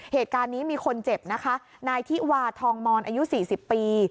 เหตุการณ์นี้มีคนเจ็บนะคะนายธิวาทองมอนอายุ๔๐ปี